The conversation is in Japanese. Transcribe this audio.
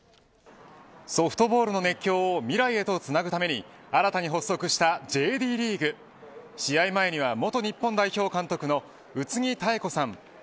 ソフトボールの熱狂を未来へとつなぐために新たに発足したＪＤリーグ。試合前には元日本代表監督の宇津木妙子さん。